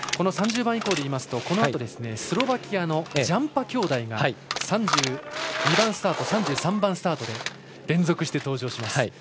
３０番以降で言いますとこのあとスロバキアのジャンパ兄弟が３２番スタート３３番スタートで連続して登場します。